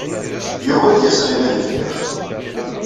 Yuba ad d-yas ad inadi fell-ak.